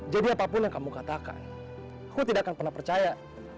jadi apapun yang kamu katakan aku tidak akan pernah percaya